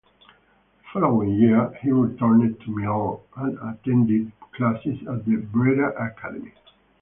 The following year he returned to Milan and attended classes at the Brera Academy.